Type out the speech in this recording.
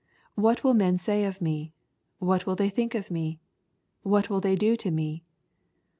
—" What will men say of me ? What will they think of me ? What will they do to me